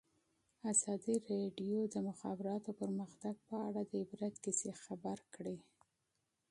ازادي راډیو د د مخابراتو پرمختګ په اړه د عبرت کیسې خبر کړي.